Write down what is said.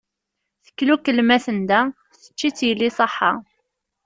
Teklukel ma tenda, tečč-itt yelli ṣṣaḥḥa.